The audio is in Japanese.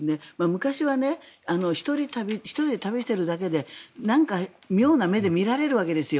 昔は１人で旅をしているだけでなんか妙な目で見られるわけですよ。